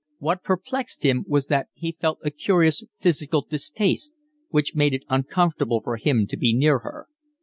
What perplexed him was that he felt a curious physical distaste, which made it uncomfortable for him to be near her.